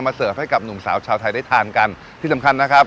เสิร์ฟให้กับหนุ่มสาวชาวไทยได้ทานกันที่สำคัญนะครับ